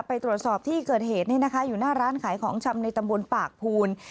ไปตรวจสอบที่เกิดเหตุนี่นะคะอยู่หน้าร้านขายของชำในตำบลปากภูน